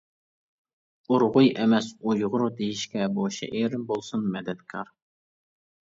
«ئۇرغۇي» ئەمەس «ئۇيغۇر» دېيىشكە، بۇ شېئىرىم بولسۇن مەدەتكار.